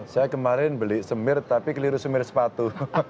saya kemarin beli semir tapi keliru semir sepatu